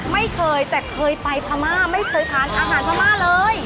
ไม่เคยแต่เคยไปพม่าไม่เคยทานอาหารพม่าเลย